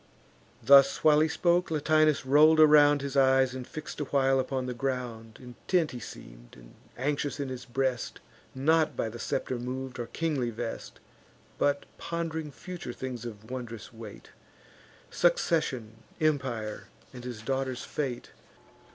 Thus while he spoke, Latinus roll'd around His eyes, and fix'd a while upon the ground. Intent he seem'd, and anxious in his breast; Not by the scepter mov'd, or kingly vest, But pond'ring future things of wondrous weight; Succession, empire, and his daughter's fate.